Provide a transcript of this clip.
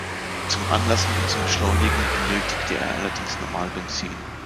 Zum Anlassen und zum Beschleunigen benötigte er allerdings Normalbenzin.